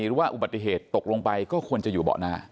อุบัติเหตุตกลงไปก็ควรจะอยู่เบาะหน้า